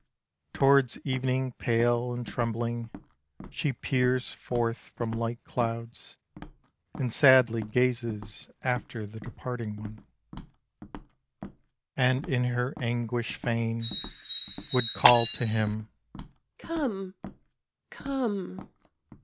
Towards evening pale and trembling, She peers forth from light clouds, And sadly gazes after the departing one, And in her anguish fain would call to him, "Come! Come!